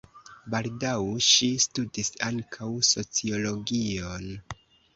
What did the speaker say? Baldaŭ ŝi studis ankaŭ sociologion.